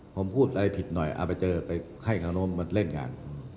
ผมพูดอะไรผิดหน่อยเอาไปเจอไปให้เขานู้นมาเล่นงาน